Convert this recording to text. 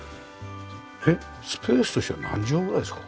えっスペースとしては何畳ぐらいですか？